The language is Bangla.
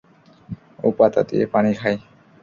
ও পাতা দিয়ে পানি খায়।